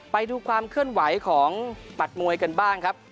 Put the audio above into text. ไปดูความเคลื่อนไหวของบัตรมวยกันบ้างครับ